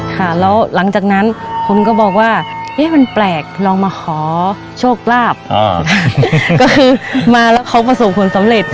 ค่ะแล้วหลังจากนั้นคนก็บอกว่าเอ๊ะมันแปลกลองมาขอโชคลาภก็คือมาแล้วเขาประสบผลสำเร็จ